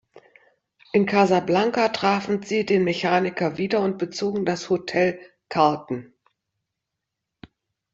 In Casablanca trafen sie den Mechaniker wieder und bezogen das "Hotel Carlton".